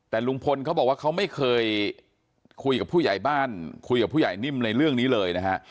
แต่ลุงพลเขาบอกว่าเขาไม่เคยคุยกับผู้ใหญ่บ้านคุยกับผู้ใหญ่นิ่มในเรื่องนี้เลยนะฮะ